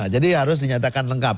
jadi harus dinyatakan lengkap